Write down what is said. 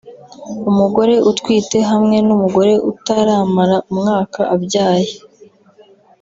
umugore utwite hamwe n’umugore utaramara umwaka abyaye